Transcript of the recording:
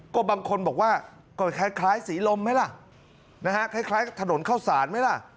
ก็บางคนบอกว่าก็คล้ายสีลมไหมล่ะนะฮะคล้ายกับถนนเข้าสารไหมล่ะ